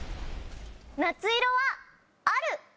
「夏色」はある。